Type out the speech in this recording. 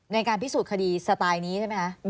ในการพิสูจน์คดีสไตล์นี้ใช่ไหมคะ